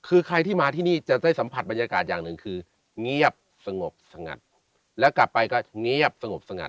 คือใครที่มาที่นี่จะได้สัมผัสบรรยากาศอย่างหนึ่งคือเงียบสงบสงัดแล้วกลับไปก็เงียบสงบสงัด